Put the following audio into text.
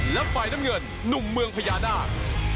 และฝ่ายน้ำเงินหนุ่มเมืองพญานาค